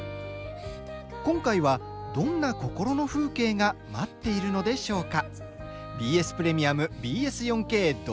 今回は、どんな心の風景が待っているのでしょうか。